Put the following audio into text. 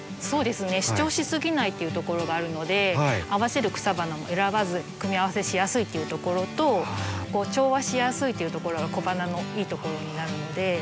そうですね主張しすぎないっていうところがあるので合わせる草花も選ばず組み合わせしやすいっていうところと調和しやすいっていうところが小花のいいところになるので。